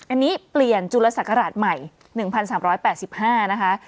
อันนี้เปลี่ยนจุลศักราชใหม่๑๓๘๕นะคะ